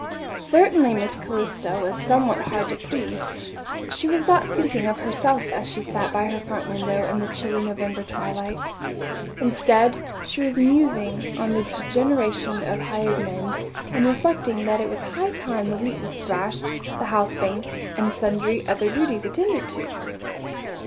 Certainly Miss Calista was somewhat hard to please, but she was not thinking of herself as she sat by her front window in the chilly November twilight. Instead, she was musing on the degeneration of hired men, and reflecting that it was high time the wheat was thrashed, the house banked, and sundry other duties attended to.